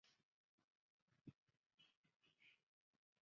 她是与长兄威廉二世一起成长的。